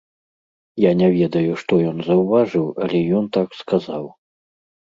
Я не ведаю, што ён заўважыў, але ён так сказаў.